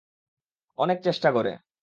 অনেক চেষ্টা করে।